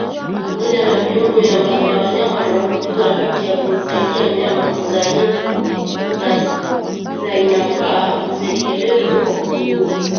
moja na viungo vya wanyama walioambukizwa Harakati ya kumsaidia mnyama kuzaainafaa itekelezwe kwa kutumia